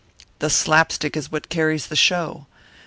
The slap stick is what carries the show.